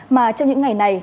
mà trong những ngày này